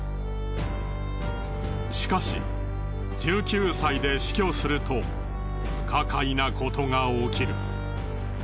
しかし１９歳で死去すると不可解なことが起きる。